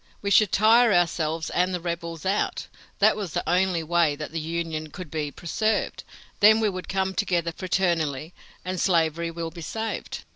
We should tire ourselves and the rebels out; that was the only way that the Union could be preserved; then we would come together fraternally, and slavery will be saved."